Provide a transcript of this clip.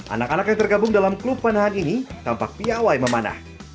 anak anak yang tergabung dalam klub panahan ini tampak piawai memanah